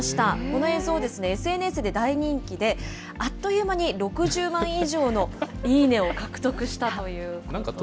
この映像、ＳＮＳで大人気で、あっという間に６０万以上のいいねを獲得したということです。